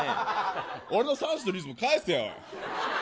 俺の３種のリズム返せや、おい。